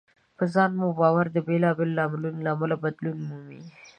په ځان مو باور د بېلابېلو لاملونو له امله بدلون مومي.